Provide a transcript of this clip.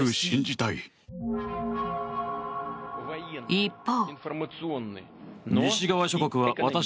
一方。